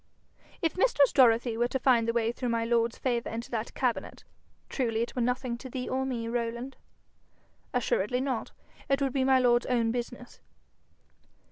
'If mistress Dorothy were to find the way through my lord's favour into that cabinet truly it were nothing to thee or me, Rowland.' 'Assuredly not. It would be my lord's own business.'